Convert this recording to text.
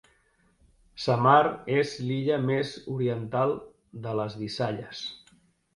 Samar és l'illa més oriental de les Visayas.